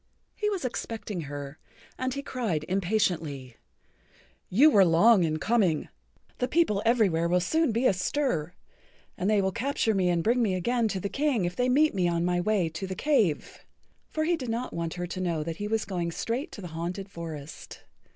He was expecting her, and he cried impatiently: "You were long in coming. The people everywhere will soon be astir, and they will capture me and bring me again to the King if they meet me on my way to the cave." (For he did not want her to know that he was going straight to the haunted forest.)